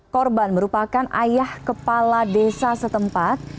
korban merupakan ayah kepala desa setempat